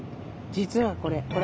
実はこれほら。